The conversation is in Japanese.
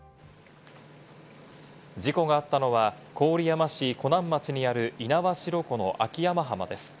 事故があったのは、郡山市湖南町にある猪苗代湖の秋山浜です。